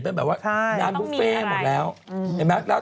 แบบว่าน้ำบุแฟหมดแล้ว